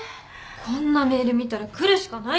こんなメール見たら来るしかないでしょ！